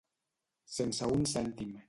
Sense un cèntim.